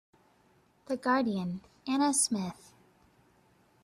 The Guardian, Anna Smith.